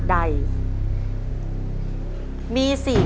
คุณยายแจ้วเลือกตอบจังหวัดนครราชสีมานะครับ